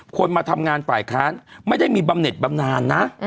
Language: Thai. คนมาทำงานฝ่ายค้านไม่ได้มีบำเน็ตบำนานนะ